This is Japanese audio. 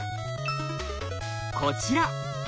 こちら。